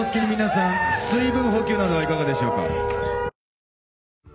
水分補給などはいかがでしょうか。